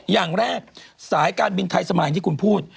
อย่างแรกสายการบินไทยสมายที่คุณพูด